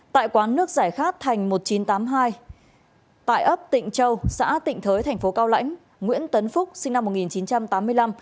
tại quán nước giải khát thành một nghìn chín trăm tám mươi hai tại ấp tịnh châu xã tịnh thới thành phố cao lãnh nguyễn tấn phúc sinh năm một nghìn chín trăm tám mươi năm